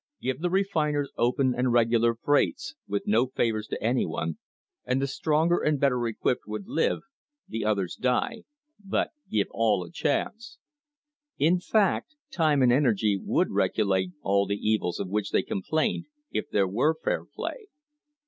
Give the refiners open and regular freights, with no favours to any one, and the stronger and better equipped would live, the others die — but give all a chance. In fact, time and energy would regulate all the evils of which they complained if there were fair play.